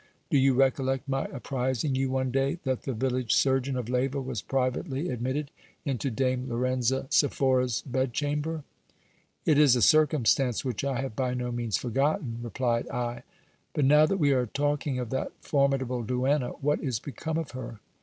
Do you recollect my apprising you one day that the village surgeon of Leyva was privately admitted into Dame Lorenza Sephora's bedchamber ? It is a circumstance which I have by no means forgotten, replied I. But now that we are talking of that formidable duenna, what is become of her